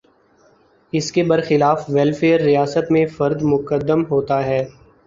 اس کے برخلاف ویلفیئر ریاست میں فرد مقدم ہوتا ہے۔